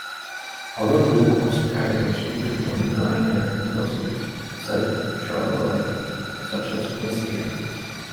Other low-cost carriers later joined Ryanair in Brussels South Charleroi, such as Wizz Air.